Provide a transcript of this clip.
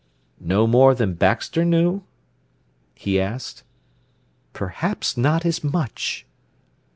_" "No more than Baxter knew?" he asked. "Perhaps not as much."